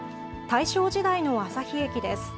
大正時代の旭駅です。